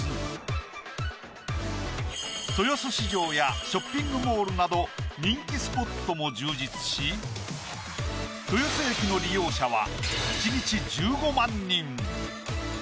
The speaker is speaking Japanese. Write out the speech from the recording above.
豊洲市場やショッピングモールなど人気スポットも充実し豊洲駅の利用者は。